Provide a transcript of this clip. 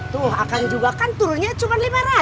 tuh akan juga kan turunnya cuma lima ratus